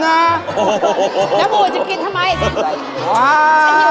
น้ำอู่นที่กินทำไม